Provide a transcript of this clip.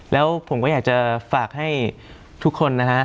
แล้วผมก็อยากจะฝากให้ทุกคนนะฮะ